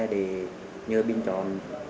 để nhờ bình chọn